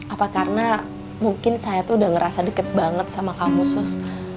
apa karena mungkin saya tuh udah ngerasa deket banget sama kamu sus